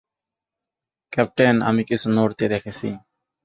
Captain, আমি কিছু নড়তে দেখেছি।